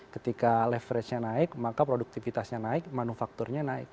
ketika leverage nya naik maka produktivitasnya naik manufakturnya naik